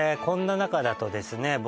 こんな中だとですね